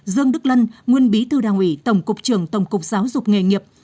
dương đức lân nguyên bí thư đảng ủy tổng cục trưởng tổng cục giáo dục nghề nghiệp